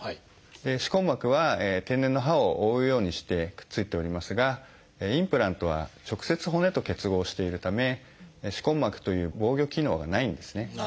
歯根膜は天然の歯を覆うようにしてくっついておりますがインプラントは直接骨と結合しているため歯根膜という防御機能がないんですね。